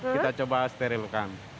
kita coba sterilkan